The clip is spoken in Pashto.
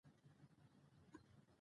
دعاګانې کېږي.